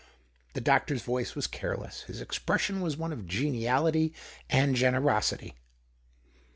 The doctor's voice was careless : his ex pression was one of geniality and generosity.